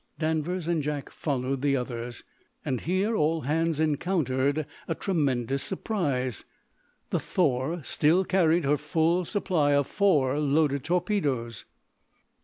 Danvers and Jack followed the others. And here all hands encountered a tremendous surprise. The "Thor" still carried her full supply of four loaded torpedoes!